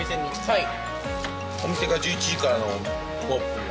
はい。